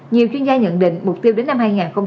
nhiều chuyên gia nhận định mục tiêu đến năm hai nghìn hai mươi